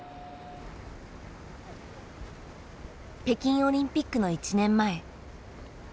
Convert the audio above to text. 北京オリンピックの１年前。